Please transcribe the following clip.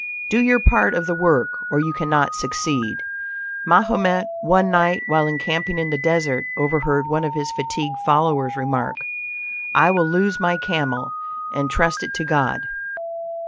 Do your part of the work, or you cannot succeed. Mahomet, one night, while encamping in the desert, overheard one of his fatigued followers remark: "I will loose my camel, and trust it to God!"